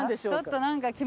ちょっとなんか。